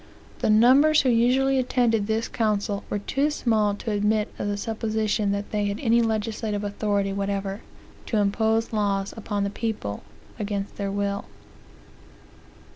The numbers who usually attended this council were too small to admit of the supposition that they had any legislative authority whatever, to impose laws upon the people against their will.